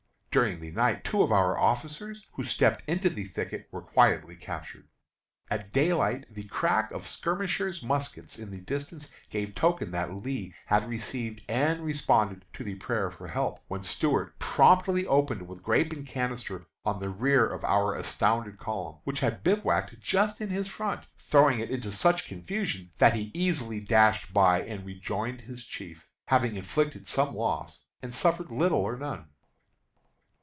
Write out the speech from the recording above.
During the night two of our officers, who stepped into the thicket, were quietly captured. "At daylight the crack of skirmishers' muskets in the distance gave token that Lee had received and responded to the prayer for help, when Stuart promptly opened with grape and canister on the rear of our astounded column, which had bivouacked just in his front, throwing it into such confusion that he easily dashed by and rejoined his chief, having inflicted some loss and suffered little or none."